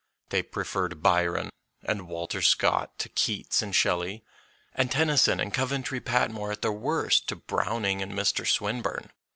They preferred Byron and Walter Scott to Keats and Shelley, and Tennyson and Coventry Patmore at their worst to Brown ing and Mr. Swinburne.